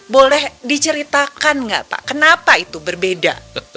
boleh diceritakan nggak pak kenapa itu berbeda